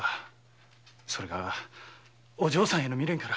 それがお嬢さんへの未練から。